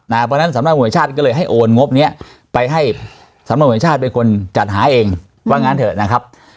เพราะฉะนั้นสำนักหวยชาติก็เลยให้โอนงบนี้ไปให้สำนวนแห่งชาติเป็นคนจัดหาเองว่างั้นเถอะนะครับ